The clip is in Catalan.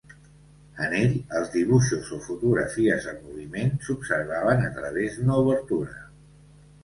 En ell, els dibuixos o fotografies en moviment s'observaven a través d'una obertura.